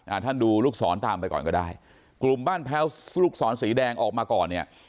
ท่านดูลูกศรตามไปก่อนก็ได้กลุ่มบ้านแพ้วลูกศรสีแดงออกมาก่อนเนี่ย